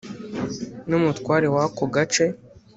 n’umutware wako gace